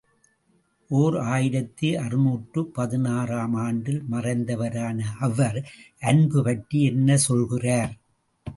ஓர் ஆயிரத்து அறுநூற்று பதினாறு ஆம் ஆண்டில் மறைந்தவரான அவர், அன்பு பற்றி என்ன சொல்கிறார்?